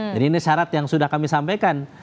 jadi ini syarat yang sudah kami sampaikan